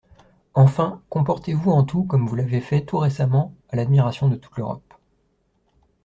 Enfin, comportez-vous en tout comme vous l'avez fait tout récemment à l'admiration de toute l'Europe.